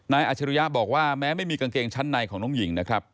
อาชรุยะบอกว่าแม้ไม่มีกางเกงชั้นในของน้องหญิงนะครับ